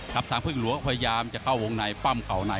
ทางพึ่งหลวงพยายามจะเข้าวงในปั้มเข่าใน